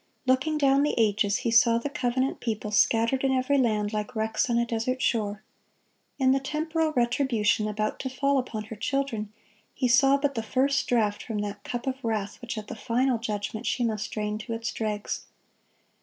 Looking down the ages, He saw the covenant people scattered in every land, "like wrecks on a desert shore." In the temporal retribution about to fall upon her children, He saw but the first draught from that cup of wrath which at the final judgment she must drain to its dregs.